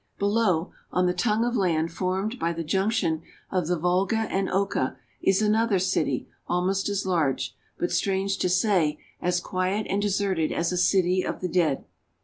Below, on the tongue of land formed by the junction of the Volga and Oka, is another city almost as large, but, strange to say, as quiet and deserted as a city of the dead.